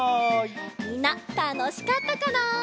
みんなたのしかったかな？